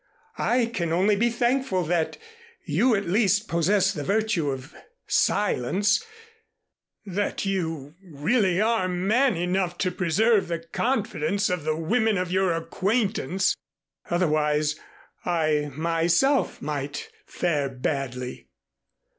I can only be thankful that you at least possess the virtue of silence that you really are man enough to preserve the confidence of the women of your acquaintance. Otherwise, I myself might fare badly."